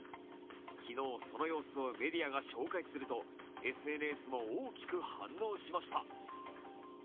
昨日、その様子をメディアが紹介するとＳＮＳも大きく反応しました。